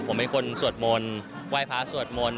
ผมเป็นคนสวดมนต์ไหว้พระสวดมนต์